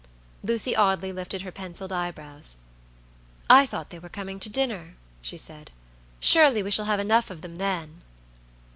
Lucy Audley lifted her penciled eyebrows. "I thought they were coming to dinner," she said. "Surely we shall have enough of them then."